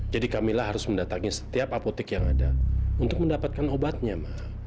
jadi kamila harus mendatangi setiap apotik yang ada untuk mendapatkan obatnya mak